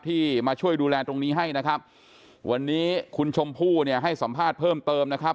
ที่มาช่วยดูแลตรงนี้ให้นะครับวันนี้คุณชมพู่เนี่ยให้สัมภาษณ์เพิ่มเติมนะครับ